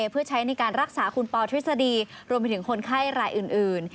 เพื่อใช้ในการรักษาคุณปอทฤษฎีรวมไปถึงคนไข้รายอื่น